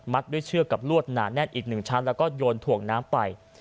ด้วยเชือกกับลวดหนาแน่นอีกหนึ่งชั้นแล้วก็โยนถ่วงน้ำไป